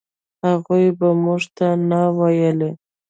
هغوی به موږ ته نه ویلې.